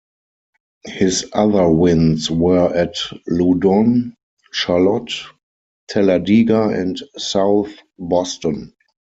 His other wins were at Loudon, Charlotte, Talladega and South Boston.